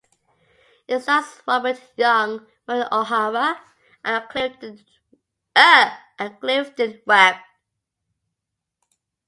It stars Robert Young, Maureen O'Hara and Clifton Webb.